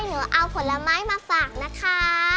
หนูเอาผลไม้มาฝากนะคะ